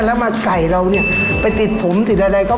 แล้วมาไก่เราเนี่ยไปติดผมติดอะไรก็